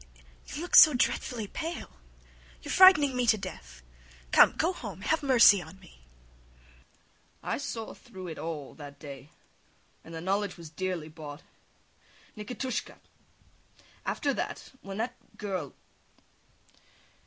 you look dreadfully pale, you frighten me to death! Come, go home, have mercy on me! SVIETLOVIDOFF. I saw through it all that day, and the knowledge was dearly bought. Nikitushka! After that ... when that girl